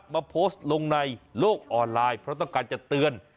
มาโพสต์ลงในโลกออนไลน์เพราะต้องการจะเตือน